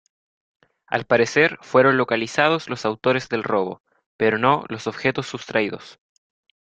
Al parecer fueron localizados los autores del robo, pero no los objetos sustraídos.